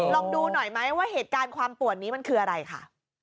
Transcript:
ลองดูหน่อยไหมว่าเหตุการณ์ความปวดนี้มันคืออะไรค่ะ